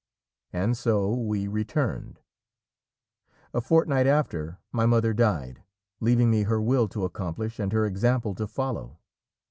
And so we returned. A fortnight after my mother died, leaving me her will to accomplish and her example to follow.